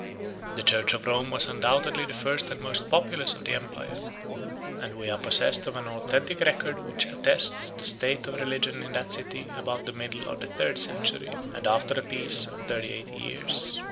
The church of Rome was undoubtedly the first and most populous of the empire; and we are possessed of an authentic record which attests the state of religion in that city about the middle of the third century, and after a peace of thirty eight years.